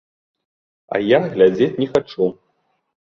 А я глядзець не хачу.